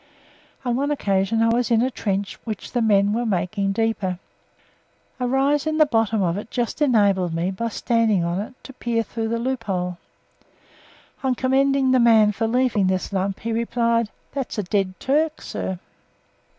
On one occasion I was in a trench which the men were making deeper. A rise in the bottom of it just enabled me, by standing on it, to peer through the loophole. On commending the man for leaving this lump, he replied, "That's a dead Turk, sir!"